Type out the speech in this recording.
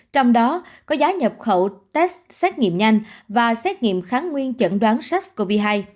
trong đó có giá nhập khẩu test xét nghiệm nhanh và xét nghiệm kháng nguyên chẩn đoán sars cov hai